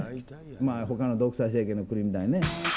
まあほかの独裁政権の国みたいにね。